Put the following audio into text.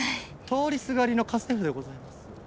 通りすがりの家政夫でございます。